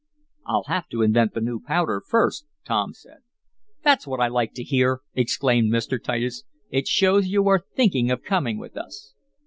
"I'll have to invent the new powder first," Tom said. "That's what I like to hear!" exclaimed Mr. Titus. "It shows you are thinking of coming with us."